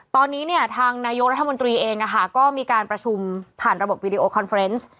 ตอนนี้เนี่ยทางนายกรัฐมนตรีเองก็มีการประชุมผ่านระบบวิดีโอคอนเฟอร์เนส